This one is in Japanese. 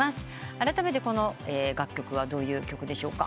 あらためてこの楽曲はどういう曲でしょうか？